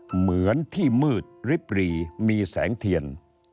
เหมือนที่มืดริบรีมีแสงเทียน